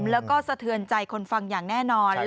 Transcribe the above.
แล้วก็สะเทือนใจคนฟังอย่างแน่นอน